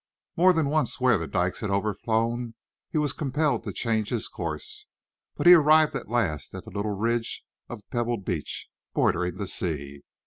More than once where the dikes had overflown he was compelled to change his course, but he arrived at last at the little ridge of pebbled beach bordering the sea.